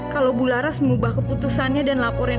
kalauhapa kalauambar bercanda ditatu saja kerja putus